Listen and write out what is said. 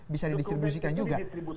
bisa didistribusikan juga